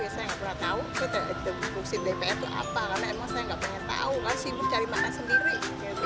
saya nggak pernah tahu buksin dpr itu apa karena emang saya nggak pernah tahu aku sibuk cari makanan sendiri